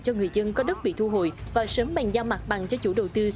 cho người dân có đất bị thu hồi và sớm bàn giao mặt bằng cho chủ đầu tư